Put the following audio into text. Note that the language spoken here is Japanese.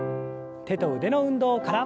手と腕の運動から。